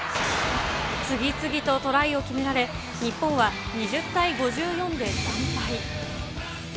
次々とトライを決められ、日本は２０対５４で惨敗。